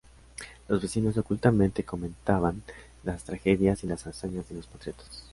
Los vecinos ocultamente comentaban las tragedias y las hazañas de los patriotas.